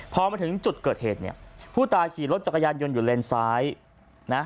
พอมาถึงจุดเกิดเหตุเนี่ยผู้ตายขี่รถจักรยานยนต์อยู่เลนซ้ายนะ